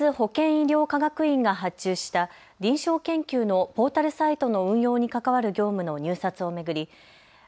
国立保健医療科学院が発注した臨床研究のポータルサイトの運用に関わる業務の入札を巡り